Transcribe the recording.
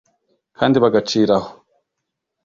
kandi bagacira aho